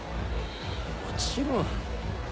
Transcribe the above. もちろん。